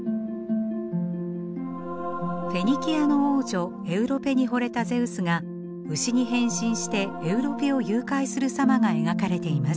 フェニキアの王女エウロペに惚れたゼウスが牛に変身してエウロペを誘拐する様が描かれています。